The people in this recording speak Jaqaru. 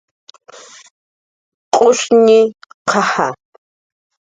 Q'ushñi, q'aja